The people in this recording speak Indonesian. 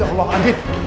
ya allah andin